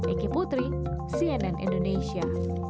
eki putri cnn indonesia